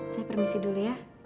saya permisi dulu ya